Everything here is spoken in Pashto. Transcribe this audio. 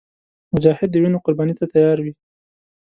مجاهد د وینو قرباني ته تیار وي.